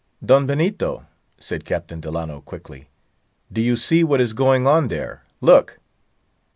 "Don Benito," said Captain Delano quickly, "do you see what is going on there? Look!"